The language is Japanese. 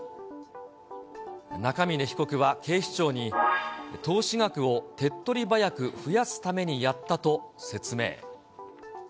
中峯被告は警視庁に、投資額を手っとり早く増やすためにやったと説明。